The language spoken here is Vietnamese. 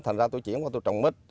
thành ra tôi chuyển qua tôi trồng mít